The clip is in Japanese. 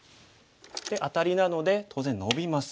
でアタリなので当然ノビます。